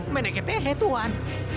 meneke tehe tuan